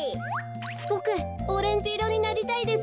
ボクオレンジいろになりたいです。